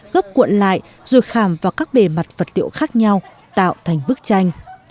gấp cuộn lại rồi khàm vào các bề mặt vật liệu khác nhau tạo thành bức tranh